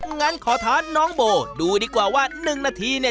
งั้นขอท้าน้องโบดูดีกว่าว่า๑นาทีเนี่ย